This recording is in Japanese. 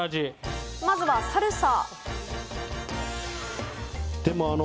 まずはサルサ。